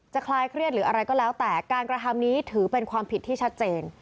คลายเครียดหรืออะไรก็แล้วแต่การกระทำนี้ถือเป็นความผิดที่ชัดเจน